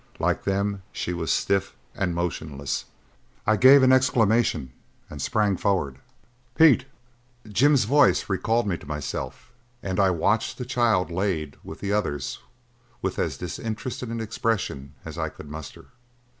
Like them, she was stiff and motionless. I gave an exclamation and sprang forward. "Pete!" Jim's voice recalled me to myself, and I watched the child laid with the others with as disinterested an expression as I could muster.